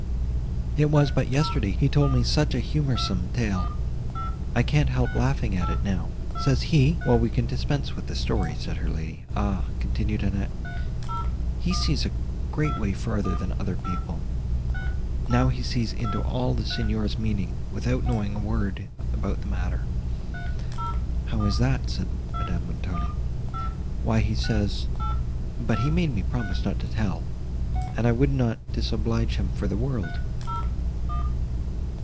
It was but yesterday, he told me such a humoursome tale! I can't help laughing at it now.—Says he—" "Well, we can dispense with the story," said her lady. "Ah!" continued Annette, "he sees a great way further than other people! Now he sees into all the Signor's meaning, without knowing a word about the matter!" "How is that?" said Madame Montoni. "Why he says—but he made me promise not to tell, and I would not disoblige him for the world."